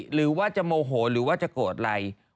หรือว่าจะโมโหหรือว่าจะโกรธอะไร